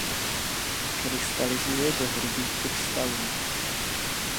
Krystalizuje do hrubých krystalů.